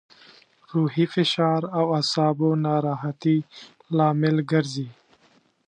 روحي فشار او اعصابو ناراحتي لامل ګرځي.